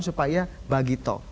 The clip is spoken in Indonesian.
supaya bagi toh